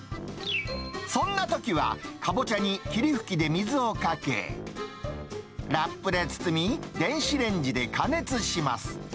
そんなときは、カボチャに霧吹きで水をかけ、ラップで包み、電子レンジで加熱します。